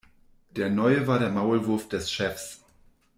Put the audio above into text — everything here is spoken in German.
Der Neue war der Maulwurf des Chefs.